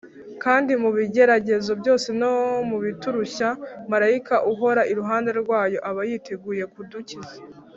kandi mu bigeragezo byose no mu biturushya, marayika uhora iruhande rwayo aba yiteguye kudukiza